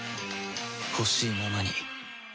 ほしいままに